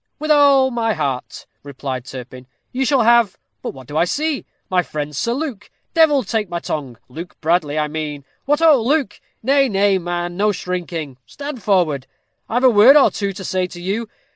"With all my heart," replied Turpin. "You shall have but what do I see, my friend Sir Luke? Devil take my tongue, Luke Bradley, I mean. What, ho! Luke nay, nay, man, no shrinking stand forward; I've a word or two to say to you.